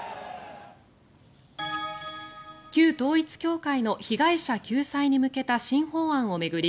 旧統一教会の被害者救済に向けた新法案を巡り